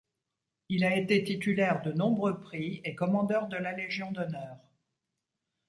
Il a été titulaire de nombreux prix et commandeur de la Légion d'honneur.